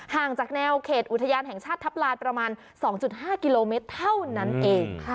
ห่างจากแนวเขตอุทยานแห่งชาติทัพลานประมาณ๒๕กิโลเมตรเท่านั้นเอง